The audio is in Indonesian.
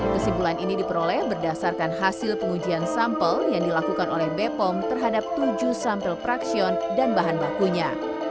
kesimpulan ini diperoleh berdasarkan hasil pengujian sampel yang dilakukan oleh bepom terhadap tujuh sampel praksion dan bahan bakunya